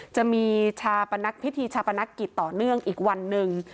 จะมีชาปนักพิธีชาปนักกิจต่อเนื่องอีกวันหนึ่ง